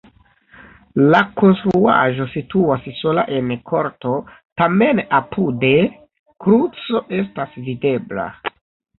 La konstruaĵo situas sola en korto, tamen apude kruco estas videbla.